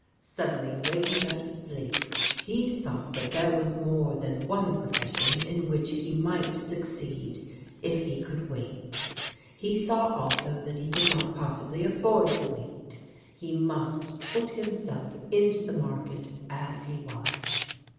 Suddenly awakened out of sleep, he saw that there was more than one profession in which he might succeed if he could wait. He saw also that he could not possibly afford to wait. He must put himself into GREAT POSSESSIONS 5 the market as he was.